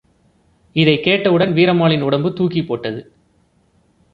இதைக் கேட்டவுடன், வீரம்மாளின் உடம்பு தூக்கிப்போட்டது.